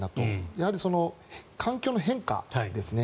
やはり、環境の変化ですね。